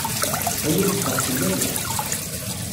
Aya yeffeɣ fell-aneɣ.